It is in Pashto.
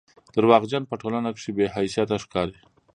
درواغجن په ټولنه کښي بې حيثيته ښکاري